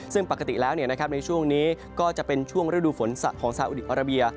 ซึ่งปกติหลังนี้ก็เป็นช่วงศักดิ์ฝนศะของอาหรับี